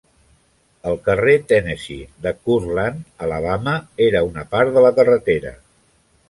El carrer Tennessee de Courtland, Alabama, era una part de la carretera.